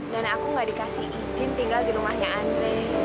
dan aku gak dikasih izin tinggal di rumahnya andre